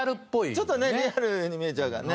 ちょっとねリアルに見えちゃうからね。